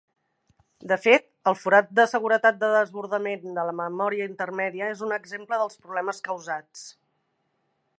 De fet, el forat de seguretat de desbordament de la memòria intermèdia és un exemple dels problemes causats.